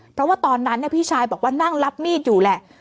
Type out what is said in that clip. เพราะว่าตอนนั้นพี่ชายบอกว่านั่งรับมีดอยู่แหละ